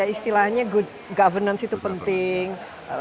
istilahnya good governance itu penting